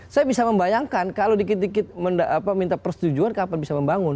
saya bisa membayangkan kalau dikit dikit minta persetujuan kapan bisa membangun